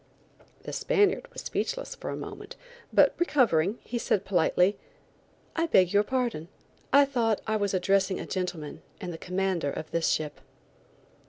The Spaniard was speechless for a moment, but recovering, he said politely: "I beg your pardon, I thought I was addressing a gentleman and the commander of this ship."